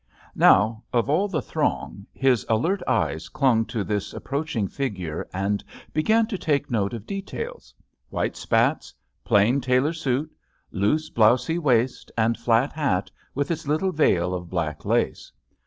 Now, of all the throng his alert eyes clung to this approaching figure and began to take note of details — ^white spats, plain tailor suit, loose Mousy waist and flat hat with its little veil of black lace.